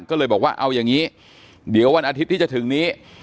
ก็เลยบอกว่าเอาอย่างนี้เดี๋ยววันอาทิตย์ที่จะถึงนี้